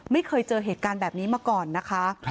ไม่เคยเจอเหตุการณ์แบบนี้มาก่อนนะคะ